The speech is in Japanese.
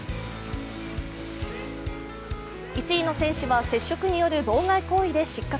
１位の選手は接触による妨害行為で失格。